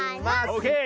オーケー！